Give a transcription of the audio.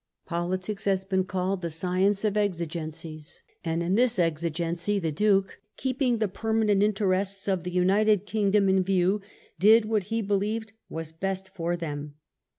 Politics has been called the science of exigencies, and in this exigency the Duke, keeping the permanent interests of the United Kingdom in view, did what he believed was best for them.